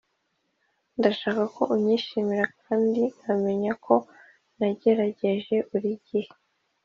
ndashaka ko unyishimira kandi nkamenya ko nagerageje buri gihe.